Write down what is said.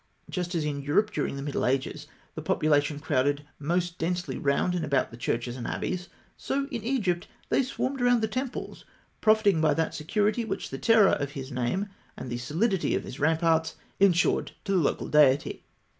Just as in Europe during the Middle Ages the population crowded most densely round about the churches and abbeys, so in Egypt they swarmed around the temples, profiting by that security which the terror of his name and the solidity of his ramparts ensured to the local deity.